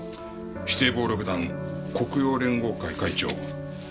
指定暴力団黒洋連合会会長園原正之。